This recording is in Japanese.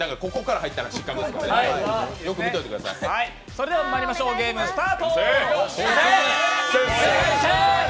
それではまいりましょうゲームスタート！